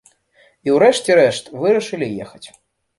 І ў рэшце рэшт вырашылі ехаць.